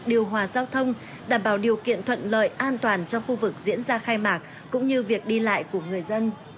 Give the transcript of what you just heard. điều hòa giao thông đảm bảo điều kiện thuận lợi an toàn cho khu vực diễn ra khai mạc cũng như việc đi lại của người dân